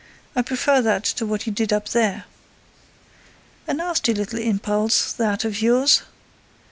I prefer that to what you did up there.—A nasty little impulse, that, of yours!